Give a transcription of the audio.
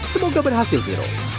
semoga berhasil viro